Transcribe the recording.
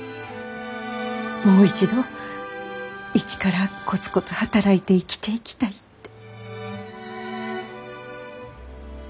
もう一度一からコツコツ働いて生きていきたいって。